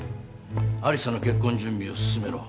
有沙の結婚準備を進めろ。